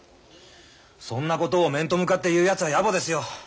そんなことを面と向かって言うやつはやぼですよ。